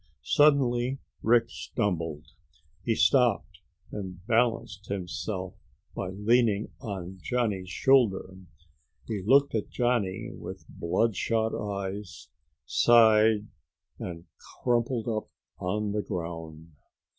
Suddenly Rick stumbled. He stopped and balanced himself by leaning on Johnny's shoulder. He looked at Johnny with bloodshot eyes, sighed and crumpled up on the ground.